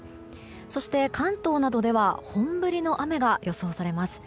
そして、関東などでは本降りの雨が予想されます。